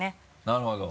なるほど。